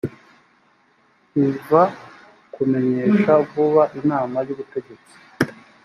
iv kumenyesha vuba inama y ubutegetsi